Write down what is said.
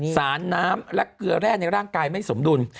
สารน้ำและเกลือแร่ในร่างกายไม่สมดุล